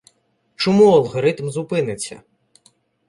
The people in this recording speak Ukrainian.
Чому алгоритм зупиниться?